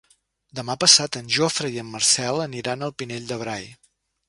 Demà passat en Jofre i en Marcel aniran al Pinell de Brai.